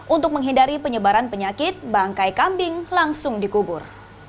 untuk menghindari penyebaran penyakit bangkai kambing langsung dikubur